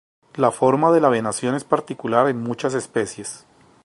La forma de la venación es particular en muchas especies.